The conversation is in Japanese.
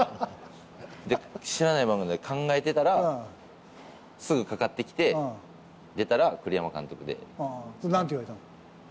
知らない番号だから考えてたら、すぐかかってきて、出たら、なんて言われたの？